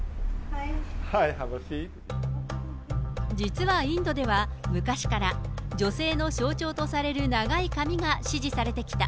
実はインドでは、昔から女性の象徴とされる長い髪が支持されてきた。